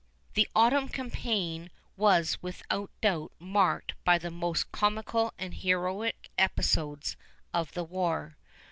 The autumn campaign was without doubt marked by the most comical and heroic episodes of the war.